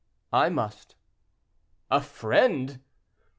"I must." "A friend!"